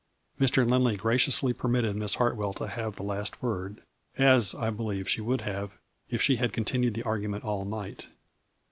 Mr. Lindley graciously permitted Miss Hart well to have the last word as, I believe, she would have if she had continued the argument all night.